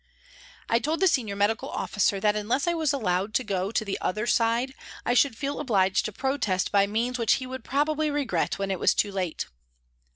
I told the Senior Medical Officer that unless I were allowed to the " other side " I should feel obliged to protest by means which he would probably regret when it was too late.